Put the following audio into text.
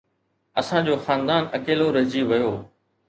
اسان جو خاندان اڪيلو رهجي ويو